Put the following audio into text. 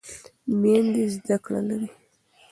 میندې زده کړه لري.